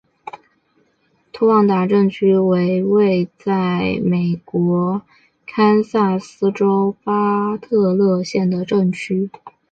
托旺达镇区为位在美国堪萨斯州巴特勒县的镇区。